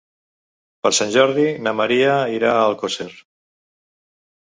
Per Sant Jordi na Maria irà a Alcosser.